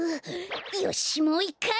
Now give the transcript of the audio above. よしもういっかい！